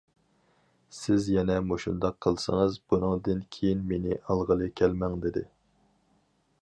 سىز يەنە مۇشۇنداق قىلسىڭىز، بۇنىڭدىن كېيىن مېنى ئالغىلى كەلمەڭ، دېدى.